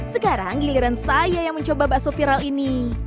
sekarang giliran saya yang mencoba bakso viral ini